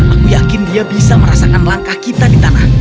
aku yakin dia bisa merasakan langkah kita di tanah